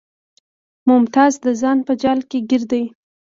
ممتاز د ځان په جال کې ګیر دی